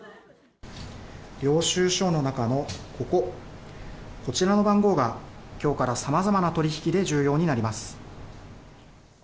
領収書の中のここ、こちらの番号が、きょうからさまざまな取り引きで重要になります。